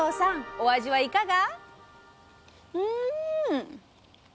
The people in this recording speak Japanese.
お味はいかが？